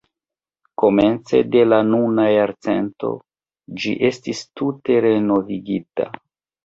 Komence de la nuna jarcento ĝi estis tute renovigita.